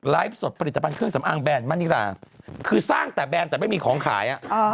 สดผลิตภัณฑ์เครื่องสำอางแบรนดมะนิราคือสร้างแต่แบรนด์แต่ไม่มีของขาย